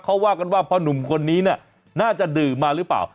เขาว่ากันว่าพ่อหนุ่มคนนี้เนี่ยน่าจะดื่มมาหรือเปล่า